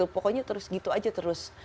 pokoknya terus gitu aja terus